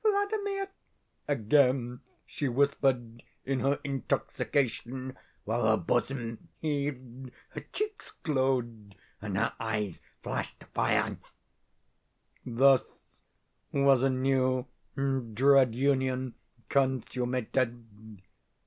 "'Vladimir!' again she whispered in her intoxication, while her bosom heaved, her cheeks glowed, and her eyes flashed fire. "Thus was a new and dread union consummated.